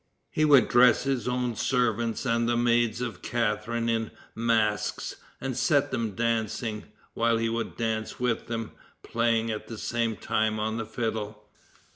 He would dress his own servants and the maids of Catharine in masks, and set them dancing, while he would dance with them, playing at the same time on the fiddle.